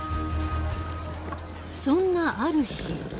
そんなある日。